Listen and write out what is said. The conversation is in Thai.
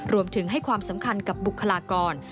รวมถึงให้ความสำคัญกับบุคลากร